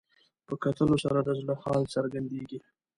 په کتلو سره د زړه حال څرګندېږي